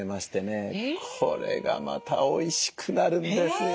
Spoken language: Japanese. これがまたおいしくなるんですよ。